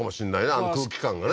あの空気感がね